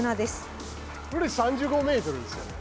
これ３５ｍですよね？